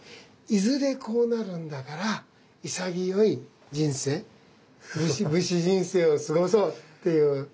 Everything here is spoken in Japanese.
いずれこうなるんだから潔い人生武士人生を過ごそうっていう。